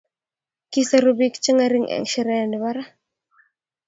kiseru biik chengering shereee nebo rauni